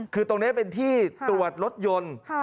คือตรงนี้เป็นที่ตรวจรถยนต์